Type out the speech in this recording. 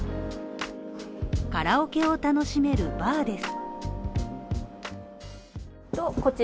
カラオケを楽しめるバーです。